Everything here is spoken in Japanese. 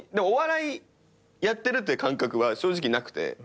お笑いやってるって感覚は正直なくて。